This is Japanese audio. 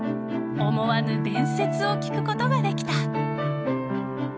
思わぬ伝説を聞くことができた。